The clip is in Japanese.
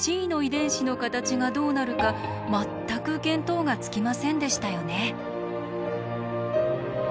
ｃの遺伝子の形がどうなるか全く見当がつきませんでしたよね。